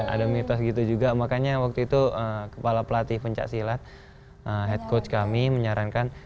ada mitos gitu juga makanya waktu itu kepala pelatih pencaksilat head coach kami menyarankan